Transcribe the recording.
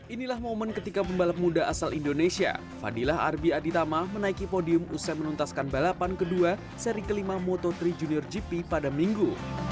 inilah momen ketika pembalap muda asal indonesia fadilah arbi aditama menaiki podium usai menuntaskan balapan kedua seri kelima moto tiga junior gp pada minggu